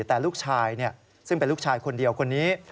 แต่ลูกชายซึ่งเป็นลูกชายคนเดียวคนนี้